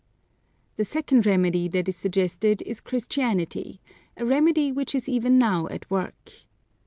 The second remedy that is suggested is Christianity, a remedy which is even now at work.